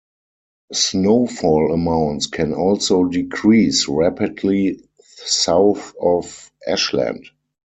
Snowfall amounts can also decrease rapidly south of Ashland.